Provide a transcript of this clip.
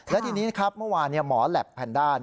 และทีนี้นะครับเมื่อวานหมอแหลปแพนด้า